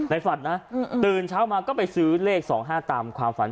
ฝันนะตื่นเช้ามาก็ไปซื้อเลข๒๕ตามความฝัน